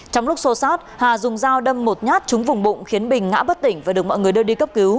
trong lúc xô xát hà dùng dao đâm một nhát trúng vùng bụng khiến bình ngã bất tỉnh và được mọi người đưa đi cấp cứu